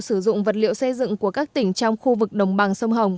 sử dụng vật liệu xây dựng của các tỉnh trong khu vực đồng bằng sông hồng